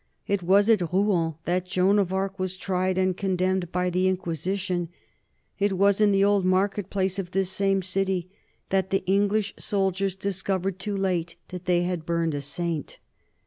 It was at Rouen that Joan of Arc was tried and condemned by the Inquisition; it was in the old market place of this same city that the English soldiers discovered too late that they had burned a saint.